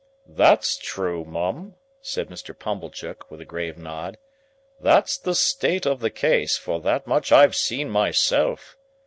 "That's true, Mum," said Mr. Pumblechook, with a grave nod. "That's the state of the case, for that much I've seen myself."